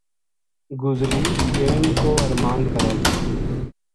گزری ٹیم کو ارماند کرن لگی